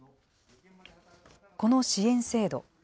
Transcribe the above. この支援制度。